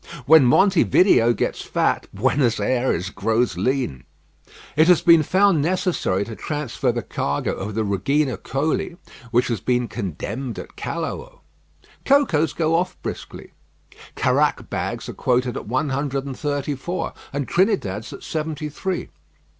When Monte Video gets fat, Buenos Ayres grows lean. It has been found necessary to transfer the cargo of the Regina Coeli, which has been condemned at Callao. Cocoas go off briskly. Caraque bags are quoted at one hundred and thirty four, and Trinidad's at seventy three.